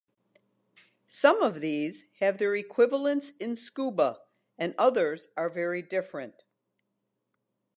Some of these have their equivalents in scuba, and others are very different.